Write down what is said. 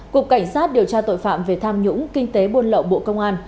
cục cảnh sát điều tra tội phạm về tham nhũng kinh tế buôn lậu bộ công an